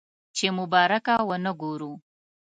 چې مبارکه ونه وګورو.